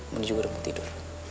mondi juga udah mau tidur